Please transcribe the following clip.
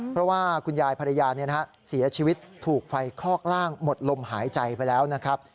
เพราะว่าคุณยายภรรยาเสียชีวิตถูกไฟคลอกร่างหมดลมหายใจไปแล้วนะครับ